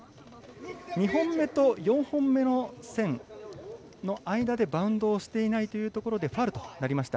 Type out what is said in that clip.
２本目と４本目の線の間でバウンドをしていないというところでファウルとなりました。